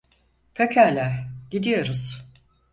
Pekâlâ, gidiyoruz.